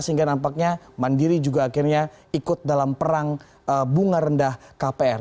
sehingga nampaknya mandiri juga akhirnya ikut dalam perang bunga rendah kpr